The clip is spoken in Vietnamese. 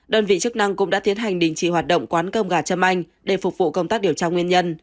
đơn vị chức năng cũng đã tiến hành đình chỉ hoạt động quán cơm gà châm anh để phục vụ công tác điều tra nguyên nhân